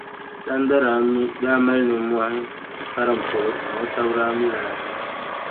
Sanda daa mali nimmohi karim polo ka o taba mi lala.